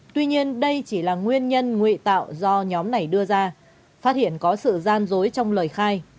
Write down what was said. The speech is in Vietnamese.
tuy nhiên đây chỉ là nguyên nhân ngụy tạo do nhóm này đưa ra phát hiện có sự gian dối trong lời khai